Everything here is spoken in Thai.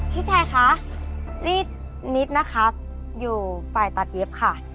พี่ชายคะรีดนิดนะคะอยู่ฝ่ายตัดเย็บค่ะ